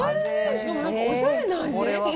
しかもなんかおしゃれな味。